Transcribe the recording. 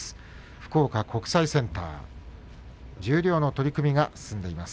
福岡国際センター十両の取組が進んでいます。